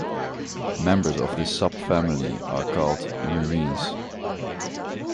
Members of this subfamily are called murines.